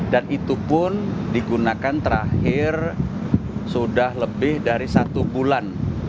dan itu pun digunakan terakhir sudah lebih dari satu bulan